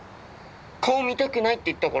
顔見たくないって言ったから。